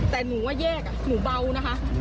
แต่หนูว่าแยกหนูเบานะคะ